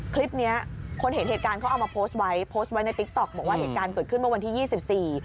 คลิปเนี้ยคนเห็นเหตุการณ์เขาเอามาโพสต์ไว้โพสต์ไว้ในติ๊กต๊อกบอกว่าเหตุการณ์เกิดขึ้นเมื่อวันที่ยี่สิบสี่